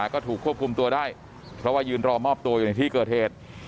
ก็ถูกควบคุมตัวได้เพราะว่ายืนรอมอบตัวอยู่ในที่เกิดเหตุ